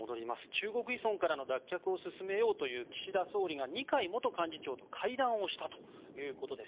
中国依存からの脱却を進めようという岸田総理が二階元幹事長と会談したということです。